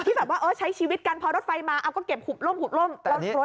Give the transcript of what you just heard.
คิดแบบว่าใช้ชีวิตกันพอรถไฟมาก็เก็บหุบร่มรถ